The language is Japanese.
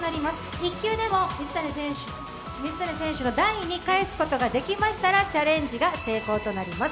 １球でも水谷選手の台に返すことができましたら、チャレンジ成功となります。